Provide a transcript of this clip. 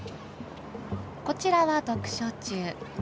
こちらは読書中。